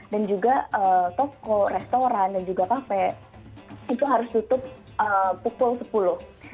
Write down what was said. dan juga toko restoran dan juga cafe itu harus tutup pukul sepuluh